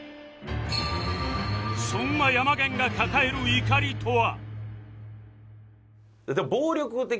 そんなヤマゲンが抱える怒りとは？